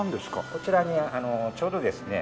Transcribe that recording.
こちらにちょうどですね